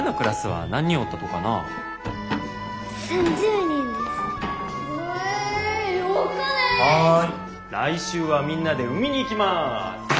はい来週はみんなで海に行きます。